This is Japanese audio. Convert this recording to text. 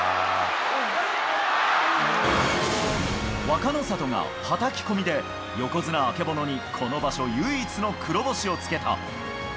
若の里がはたき込みで、横綱・曙に、この場所唯一の黒星をつけた。